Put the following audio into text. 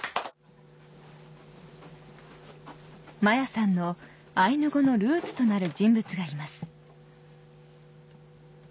摩耶さんのアイヌ語のルーツとなる人物がいます